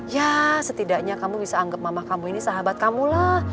ya setidaknya kamu bisa anggap mamah kamu ini sahabat kamu lah